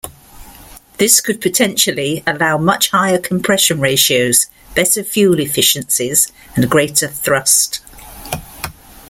This could potentially allow much higher compression ratios, better fuel efficiencies, and greater thrust.